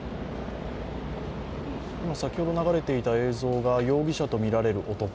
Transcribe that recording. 先ほど流れていた映像が容疑者とみられる男。